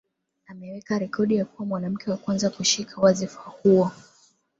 Ameweka rekodi ya kuwa mwanamke wa kwanza kushika wadhifa huo